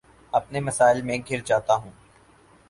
اپنے مسائل میں گھر جاتا ہوں